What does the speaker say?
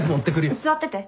座ってて。